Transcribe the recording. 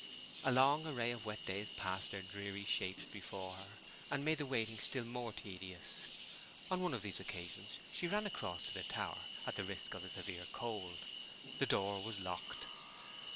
A long array of wet days passed their dreary shapes before her, and made the waiting still more tedious. On one of these occasions she ran across to the tower, at the risk of a severe cold. The door was locked.